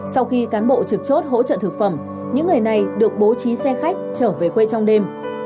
sau khi cán bộ trực chốt hỗ trợ thực phẩm những người này được bố trí xe khách trở về quê trong đêm